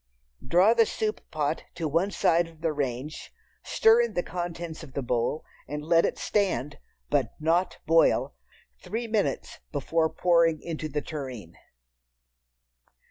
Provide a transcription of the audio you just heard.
Draw the soup pot to one side of the range, stir in the contents of the bowl, and let it stand—but not boil—three minutes before pouring into the tureen.